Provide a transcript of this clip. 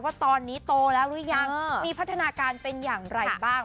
ว่าตอนนี้โตแล้วหรือยังมีพัฒนาการเป็นอย่างไรบ้าง